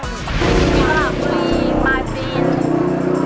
หัวหลังปุรีหมาเรียน